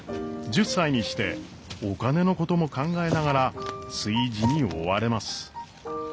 １０歳にしてお金のことも考えながら炊事に追われます。